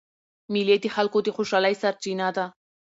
مېلې د خلکو د خوشحالۍ سرچینه ده.